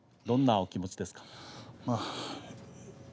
どんなお気持ちですか。